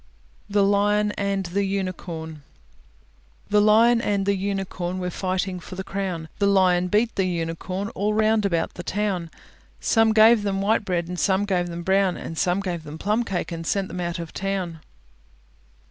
THE LION AND THE UNICORN The Lion and the Unicorn Were fighting for the crown; The Lion beat the unicorn All round about the town. Some gave them white bread, And some gave them brown; Some gave them plum cake, And sent them out of town.